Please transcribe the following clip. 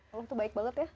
waktu baik banget ya